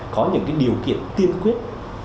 có những cái điều kiện tiên quyết